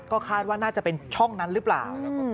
ก็คาดว่าน่าจะเป็นช่องนั้นหรือเปล่า